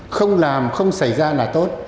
không làm không xảy ra là tốt